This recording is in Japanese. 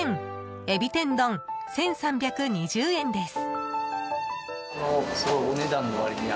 海老天丼、１３２０円です。